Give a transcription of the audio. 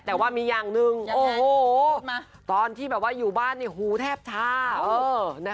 แต่ว่ามีอย่างหนึ่งโอ้โฮตอนที่อยู่บ้านเนี่ยหูแทบชา